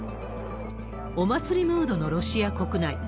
お祭りムードのロシア国内。